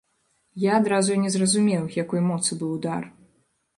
Я адразу і не зразумеў, якой моцы быў удар.